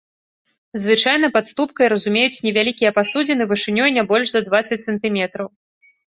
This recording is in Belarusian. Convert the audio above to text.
Звычайна пад ступкай разумеюць невялікія пасудзіны вышынёй не больш за дваццаць сантыметраў.